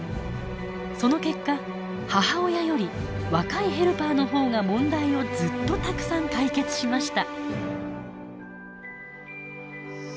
その結果母親より若いヘルパーのほうが問題をずっとたくさん解決しました。